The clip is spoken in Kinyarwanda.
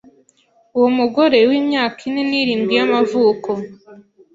Uwo mugore w'imyaka ine nirindwi y'amavuko